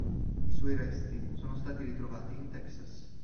I suoi resti sono stati ritrovati in Texas.